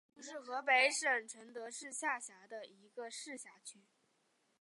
双滦区是河北省承德市下辖的一个市辖区。